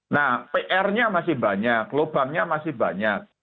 nah pr nya masih banyak lubangnya masih banyak